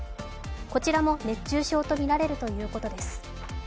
こちらも熱中症とみられるということです。